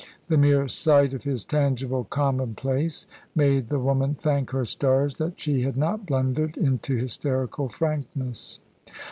The mere sight of his tangible commonplace made the woman thank her stars that she had not blundered into hysterical frankness.